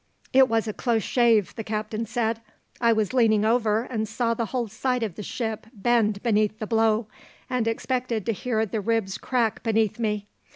"It was a close shave," the captain said. "I was leaning over, and saw the whole side of the ship bend beneath the blow, and expected to hear the ribs crack beneath me.